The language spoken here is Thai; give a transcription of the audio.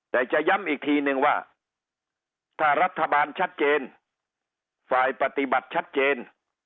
แต่จะย้ำอีกทีนึงว่าถ้ารัฐบาลชัดเจนฝ่ายปฏิบัติชัดเจน